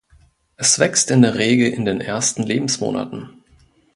Es wächst in der Regel in den ersten Lebensmonaten.